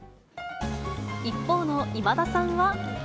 一方の今田さんは。